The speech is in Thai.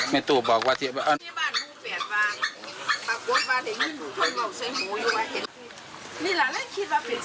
เมธุบอกว่าที่